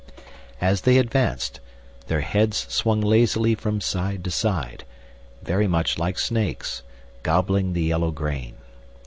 As they advanced, their heads swung lazily from side to side, very much like snakes, gobbling the yellow grain.